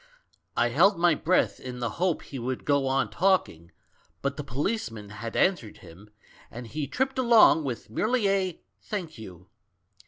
I held my breath in the hope he would go on talking, but the policeman had answered him, and he tripped along with merely a 'Thank you.'